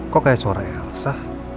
kok kayak suara elsa